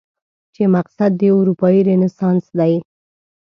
چې مقصد دې اروپايي رنسانس دی؟